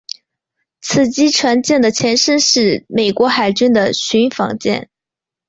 此级船舰的前身是美国海军的巡防舰。